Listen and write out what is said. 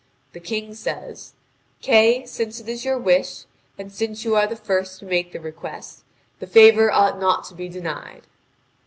The King says: "Kay, since it is your wish, and since you are the first to make the request, the favour ought not to be denied."